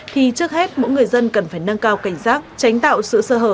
thì trước hết mỗi người dân cần phải nâng cao cảnh giác tránh tạo sự sơ hở